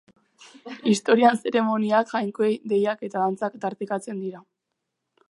Historian zeremoniak, jainkoei deiak eta dantzak tartekatzen dira.